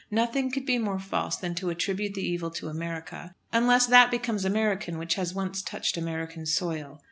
Nothing could be more false than to attribute the evil to America, unless that becomes American which has once touched American soil.